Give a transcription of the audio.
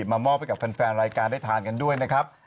มามอบให้กับแฟนรายการได้ทานกันด้วยนะครับ